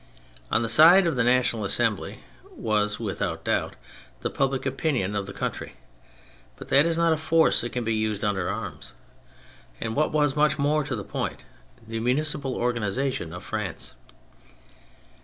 On the side of the National Assembly was without doubt the public opinion of the country (but that is not a force that can be used under arms), and, what was much more to the point, the municipal organisation of France.